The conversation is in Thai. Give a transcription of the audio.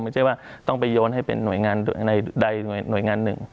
ไม่ใช่ว่าต้องไปโยนให้เป็นหน่วยงานใดหน่วยงานหนึ่ง